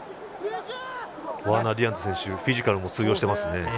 ワーナー・ディアンズ選手フィジカルも通用していますね。